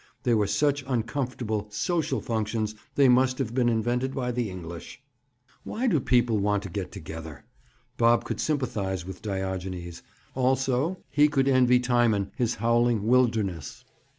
They were such uncomfortable "social functions" they must have been invented by the English. Why do people want to get together? Bob could sympathize with Diogenes. Also, he could envy Timon his howling wilderness!